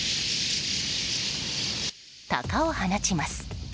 鷹を放ちます。